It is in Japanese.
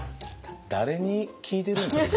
誰に聞いてるんですか？